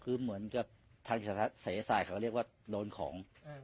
คือเหมือนชถาเสศ่าเขาก็เรียกว่าโรนของ